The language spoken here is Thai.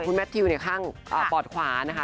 คุณแมททิวเนี่ยข้างปอดขวานะคะ